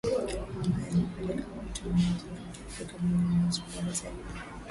Ambayo ilimpelekea kuitwa Mwanamziki wa Kiafrika mwenye mauzo bora zaidi